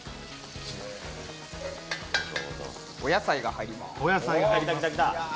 お野菜が入ります。